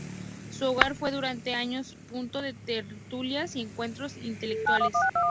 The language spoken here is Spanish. Su hogar fue durante años punto de tertulias y encuentros intelectuales.